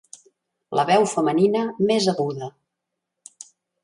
La veu femenina més aguda.